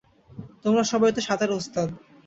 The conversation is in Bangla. তোমরা সবাইতো সাঁতারে ওস্তাদ।